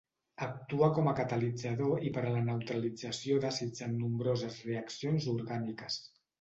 Actua com a catalitzador i per a la neutralització d'àcids en nombroses reaccions orgàniques.